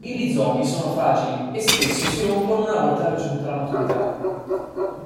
I rizomi sono fragili, e spesso si rompono una volta raggiunta la maturità.